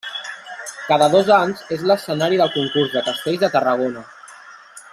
Cada dos anys és l'escenari del Concurs de Castells de Tarragona.